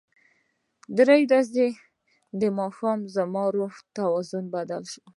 د درېیمې ورځې ماښام زما د روح توازن بدل شو.